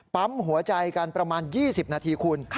ปั๊มหัวใจกันประมาณ๒๐นาทีคุณ